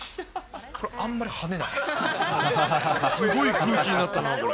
これ、すごい空気になったな、これ。